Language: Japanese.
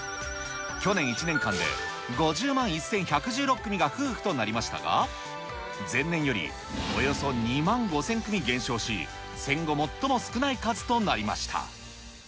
去年１年間で５０万１１１６組が夫婦となりましたが、前年よりおよそ２万５０００組減少し、戦後最も少ない数となりました。